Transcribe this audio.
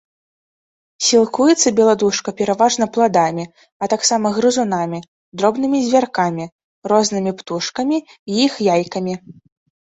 Сілкуецца беладушка пераважна пладамі, а таксама грызунамі, дробнымі звяркамі, рознымі птушкамі і іх яйкамі.